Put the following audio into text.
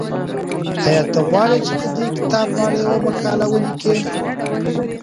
ایا ته غواړې چې د دې کتاب په اړه یوه مقاله ولیکې؟